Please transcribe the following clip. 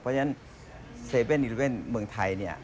เพราะฉะนั้น๗๑๑เมืองไทย